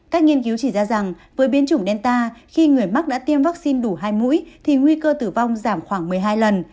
các nghiên cứu chỉ ra rằng với biến chủng delta khi người mắc đã tiêm vaccine đủ hai mũi thì nguy cơ tử vong giảm khoảng một mươi hai lần